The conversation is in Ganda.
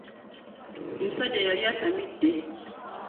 Omusajja yali atamidde